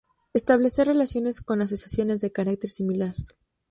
Establecer relaciones con Asociaciones de carácter similar.